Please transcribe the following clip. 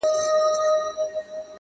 • لکه د بزم د پانوس په شپه کي ,